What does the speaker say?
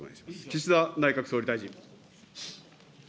岸田内閣総理大臣。